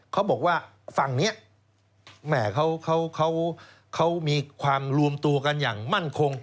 เขาบอกว่าฝั่งนี้แหมเขามีความรวมตัวกันอย่างมั่นคง